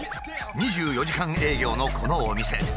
２４時間営業のこのお店。